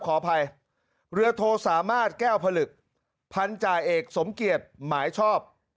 ขออภัยเรือโทสามารถแก้วผลึกพันธาเอกสมเกียจหมายชอบ